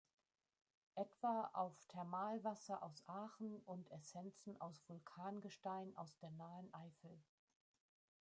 Etwa auf Thermalwasser aus Aachen und Essenzen aus Vulkangestein aus der nahen Eifel.